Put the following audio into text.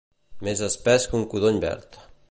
Més espès que un codony verd.